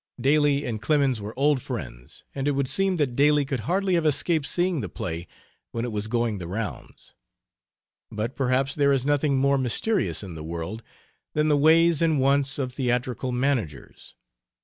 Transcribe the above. Daly and Clemens were old friends, and it would seem that Daly could hardly have escaped seeing the play when it was going the rounds. But perhaps there is nothing more mysterious in the world than the ways and wants of theatrical managers.